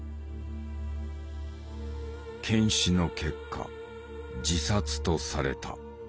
検視の結果自殺とされた。